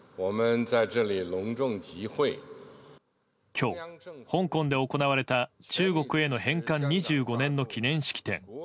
今日、香港で行われた中国への返還２５周年の記念式典。